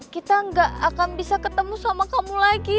kita gak akan bisa ketemu sama kamu lagi